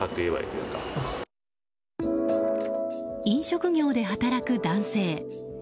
飲食業で働く男性。